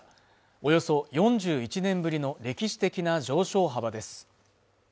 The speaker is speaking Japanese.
およそ４１年ぶりの歴史的な上昇幅です